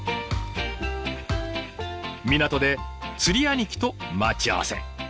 港で釣り兄貴と待ち合わせ。